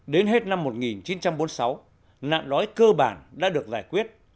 đến hết năm một nghìn chín trăm bốn mươi sáu nạn đói cơ bản đã được giải quyết